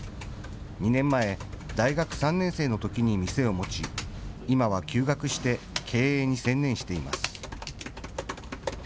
２年前、大学３年生のときに店を持ち、今は休学して経営に専念しています。